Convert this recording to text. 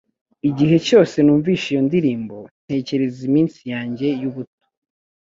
Igihe cyose numvise iyo ndirimbo, ntekereza iminsi yanjye y'ubuto